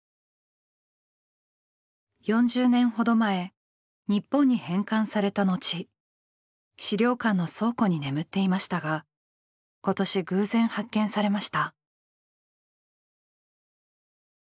４０年ほど前日本に返還された後資料館の倉庫に眠っていましたが今年偶然発見されました。